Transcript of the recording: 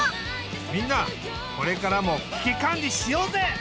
みんなこれからも危機管理しようぜ！